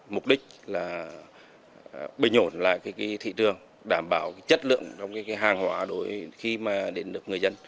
mục đích là bình ổn lại thị trường đảm bảo chất lượng trong hàng hóa đối với khi mà đến được người dân